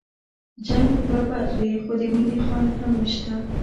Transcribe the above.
جنګ به بد وي خو د مينې خوند هم نشته